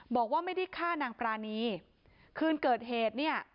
บอกว่าไม่ได้ฆ่านางปรานีคืนเกิดเหตุเนี่ย